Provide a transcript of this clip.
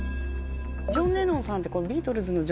ジョン・レノンさんって。